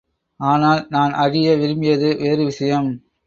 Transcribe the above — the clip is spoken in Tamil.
ஆனால் நான் அறிய விரும்பியது வேறு விஷயம்.